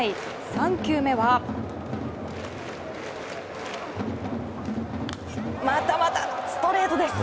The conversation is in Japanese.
３球目はまたまたストレートです。